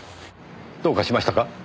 どうかしましたか？